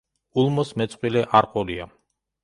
ულმოს მეწყვილე არ ჰყოლია.